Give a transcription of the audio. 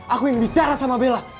aku yang bicara sama bella